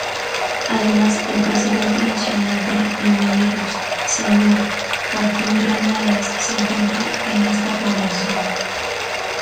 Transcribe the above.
Además el presidente nacional de limoneros, Sr. Joaquín Grajales se encuentra en esta población.